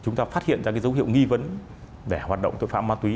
chúng ta phát hiện ra cái dấu hiệu nghi vấn để hoạt động tội phạm ma túy